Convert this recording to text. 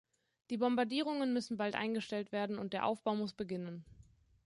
Die Bombardierungen müssen bald eingestellt werden und der Aufbau muss beginnen.